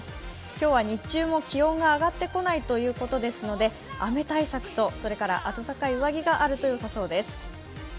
今日は日中も気温が上がってこないということですので雨対策と暖かい上着があるとよさそうです。